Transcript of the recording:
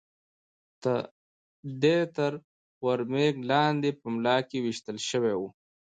دی تر ور مېږ لاندې په ملا کې وېشتل شوی و.